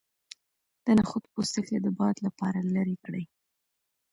د نخود پوستکی د باد لپاره لرې کړئ